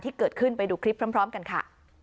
ที่เกิดขึ้นไปดูคลิปพร้อมกันค่ะ